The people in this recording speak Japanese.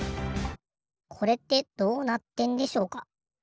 これってどうなってんでしょうか？